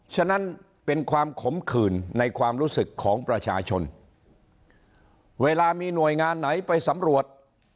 ฉะนั้นเป็นความขมขื่นในความรู้สึกของประชาชนเวลามีหน่วยงานไหนไปสำรวจ